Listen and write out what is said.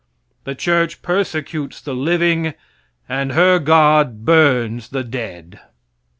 The church persecutes the living, and her God burns the dead.